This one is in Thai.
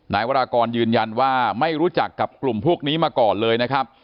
วรากรยืนยันว่าไม่รู้จักกับกลุ่มพวกนี้มาก่อนเลยนะครับ